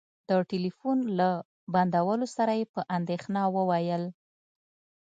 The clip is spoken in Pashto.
د ټلفون له بندولو سره يې په اندېښنه وويل.